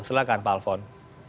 silahkan pak alvon